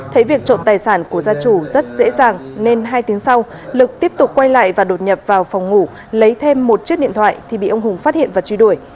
thấy việc trộm tài sản của gia chủ rất dễ dàng nên hai tiếng sau lực tiếp tục quay lại và đột nhập vào phòng ngủ lấy thêm một chiếc điện thoại thì bị ông hùng phát hiện và truy đuổi